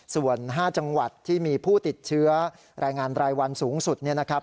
ส่วน๕จังหวัดที่มีผู้ติดเชื้อรายงานรายวันสูงสุดเนี่ยนะครับ